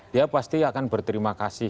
dia pasti akan berterima kasih